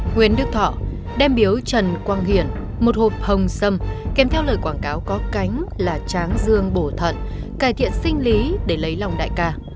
nguyễn đức thọ đem biếu trần quang hiển một hộp hồng sâm kèm theo lời quảng cáo có cánh là tráng dương bổ thận cải thiện sinh lý để lấy lòng đại ca